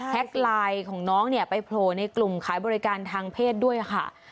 แฮกไลน์ของน้องไปโปรในกลุ่มขายบริการทางเพศด้วยค่ะ